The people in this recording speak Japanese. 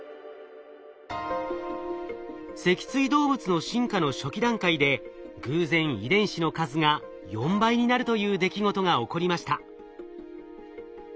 脊椎動物の進化の初期段階で偶然遺伝子の数が４倍になるという出来事が起こりました。